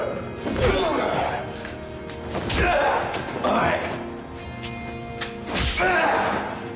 おい！